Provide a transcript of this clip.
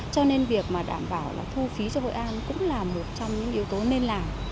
cho nên việc mà đảm bảo là thu phí cho hội an cũng là một trong những yếu tố nên làm